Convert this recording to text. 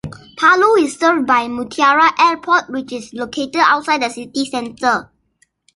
Palu is served by Mutiara Airport, which is located outside the city center.